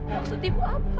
maksud ibu apa